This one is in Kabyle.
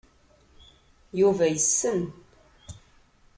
Yuba yessen.